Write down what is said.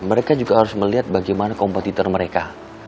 mereka juga harus melihat bagaimana kompetitor mereka